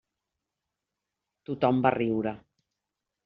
Tothom va riure.